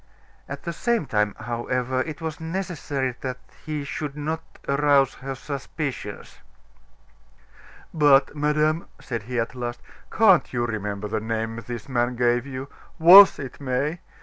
At the same time, however, it was necessary that he should not arouse her suspicions. "But, madame," said he at last, "can't you remember the name this man gave you? Was it May?